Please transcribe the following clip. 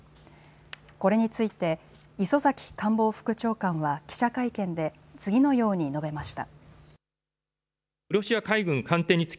これについて磯崎官房副長官は記者会見で次のように述べました。